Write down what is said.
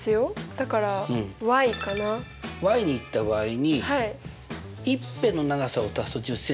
だからかな？にいった場合に１辺の長さを足すと１０ｃｍだから？